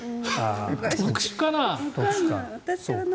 特殊かな？